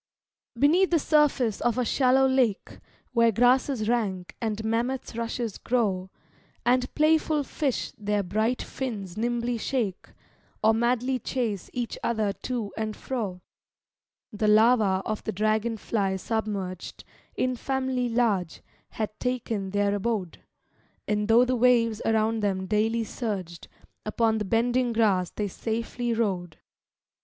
Beneath the surface of a shallow lake, Where grasses rank and mammoth rushes grow, And playful fish their bright fins nimbly shake, Or madly chase each other to and fro, The larva of the dragon fly submerged, In family large, had taken their abode, And tho' the waves around them daily surged, Upon the bending grass they safely rode.